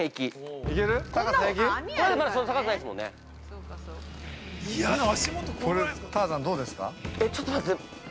いや、ちょっと待って。